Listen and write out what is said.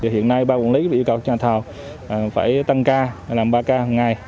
hiện nay ba quản lý yêu cầu nhà thầu phải tăng ca làm ba ca hằng ngày